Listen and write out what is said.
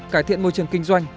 cải thiện môi trường kinh doanh